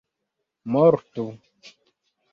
mortu